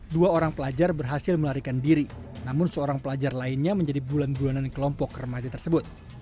dua orang pelajar berhasil melarikan diri namun seorang pelajar lainnya menjadi bulan bulanan kelompok remaja tersebut